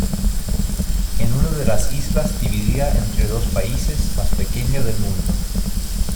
Es una de las islas dividida entre dos países más pequeña del mundo.